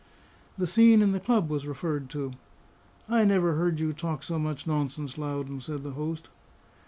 The scene in the club was referred to. "I never heard you talk so much nonsense, Loudon," said the host.